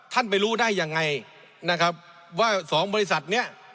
ไปรู้ได้ยังไงนะครับว่าสองบริษัทเนี้ย